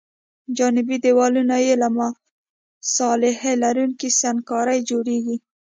جانبي دیوالونه یې له مصالحه لرونکې سنګ کارۍ جوړیږي